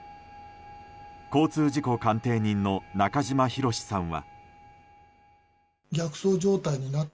交通事故鑑定人の中島博史さんは。